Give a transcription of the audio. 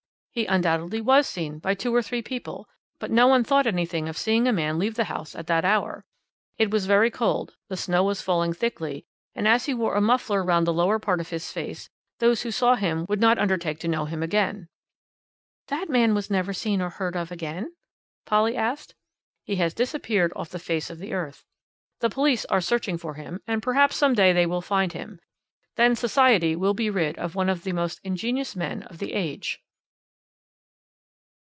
"He undoubtedly was seen by two or three people, but no one thought anything of seeing a man leave the house at that hour. It was very cold, the snow was falling thickly, and as he wore a muffler round the lower part of his face, those who saw him would not undertake to know him again." "That man was never seen nor heard of again?" Polly asked. "He has disappeared off the face of the earth. The police are searching for him, and perhaps some day they will find him then society will be rid of one of the most ingenious men of the age."